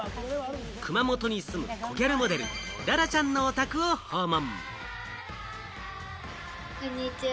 熊本に住むコギャルモデル・ららちゃんのお宅を訪問。